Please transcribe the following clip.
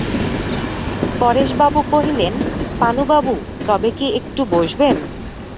পরেশবাবু কহিলেন, পানুবাবু, তবে কি একটু বসবেন?